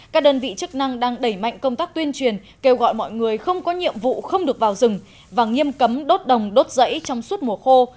các đơn vị chức năng đang đẩy mạnh công tác tuyên truyền kêu gọi mọi người không có nhiệm vụ không được vào rừng và nghiêm cấm đốt đồng đốt dãy trong suốt mùa khô